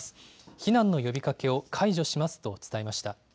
避難の呼びかけを解除しますと伝えました。